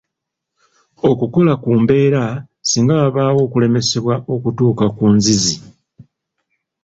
Okukola ku mbeera singa wabaawo okulemesebwa okutuuka ku nzizi.